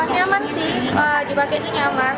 nyaman sih dipakainya nyaman